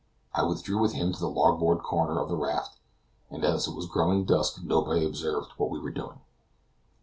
I withdrew with him to the larboard corner of the raft, and, as it was growing dusk, nobody observed what we were doing.